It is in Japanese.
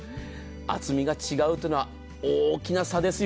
厚みが違うというのは大きな差ですよ。